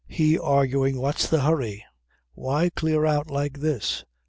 He arguing "What's the hurry? Why clear out like this?"